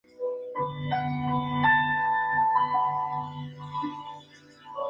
La casa estación no existe, y el patio estación ya no posee desvíos activados.